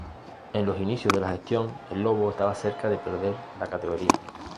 En los inicios de la gestión, el "lobo" estaba cerca de perder la categoría.